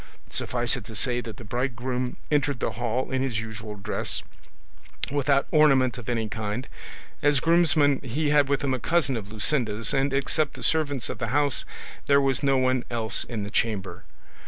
Suffice it to say that the bridegroom entered the hall in his usual dress, without ornament of any kind; as groomsman he had with him a cousin of Luscinda's and except the servants of the house there was no one else in the chamber.